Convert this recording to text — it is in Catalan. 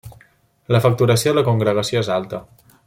La facturació de la congregació és alta.